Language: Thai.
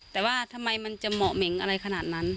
แต่ว่าทำไมมันจะเหมาะเหม็งอะไรขนาดนั้น